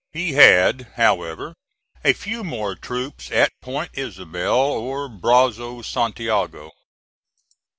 He had, however, a few more troops at Point Isabel or Brazos Santiago.